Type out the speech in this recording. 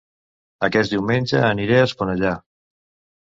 Aquest diumenge aniré a Esponellà